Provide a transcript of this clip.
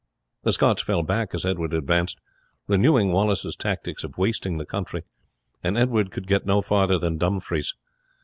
The Scots fell back as Edward advanced, renewing Wallace's tactics of wasting the country, and Edward could get no further than Dumfries.